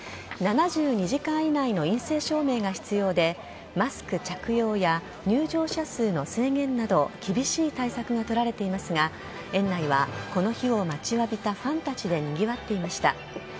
７２時間以内の陰性証明が必要でマスク着用や入場者数の制限など厳しい対策が取られていますが園内はこの日を待ちわびたファンたちでにぎわっていました。